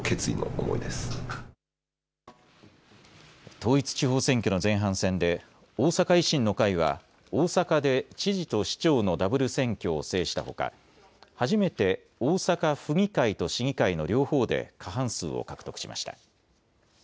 統一地方選挙の前半戦で大阪維新の会は大阪で知事と市長のダブル選挙を制したほか初めて大阪府議会と市議会の両方で過半数を獲得しました。